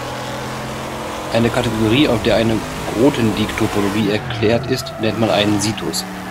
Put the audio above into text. Eine Kategorie, auf der eine Grothendieck-Topologie erklärt ist, nennt man einen "Situs".